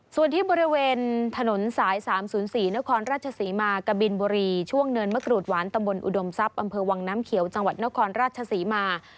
ส่วนที่บริเวณถนนสาย๓๐๔นครราชศรีมากะบินบุรีช่วงเนินมะกรูดหวานตำบลอุดมทรัพย์อำเภอวังน้ำเขียวจังหวัดนครราชศรีมา